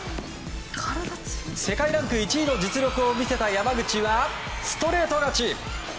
世界ランク１位の実力を見せた山口はストレート勝ち。